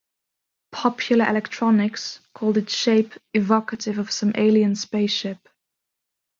"Popular Electronics" called its shape "evocative of some alien space ship".